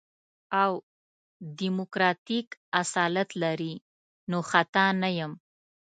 او ديموکراتيک اصالت لري نو خطا نه يم.